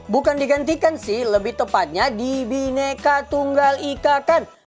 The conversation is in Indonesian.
bukan digantikan sih lebih tepatnya dibineka tunggal ikakan